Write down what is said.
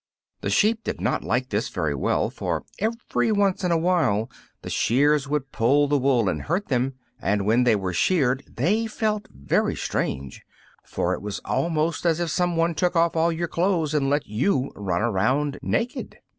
The sheep did not like this very well, for every once in a while the shears would pull the wool and hurt them; and when they were sheared they felt very strange, for it was almost as if someone took off all your clothes and let you run around naked.